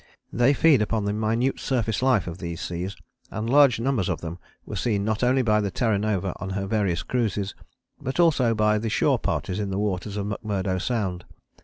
They feed upon the minute surface life of these seas, and large numbers of them were seen not only by the Terra Nova on her various cruises, but also by the shore parties in the waters of McMurdo Sound.